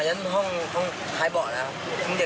อย่างนั้นห้องหายเบาะแล้ว